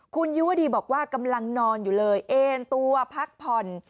คุณยุวดีบอกว่ากำลังนอนอยู่เลยเอ็นตัวพักผ่อน